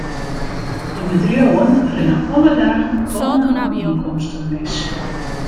De bedriuwen rinne alle dagen tonnen oan ynkomsten mis.